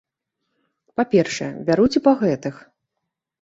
Па-першае, бяруць і па гэтых.